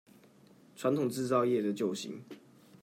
傳統製造業的救星